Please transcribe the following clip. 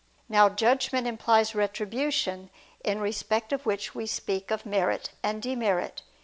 Now judgment implies retribution, in respect of which we speak of merit and demerit.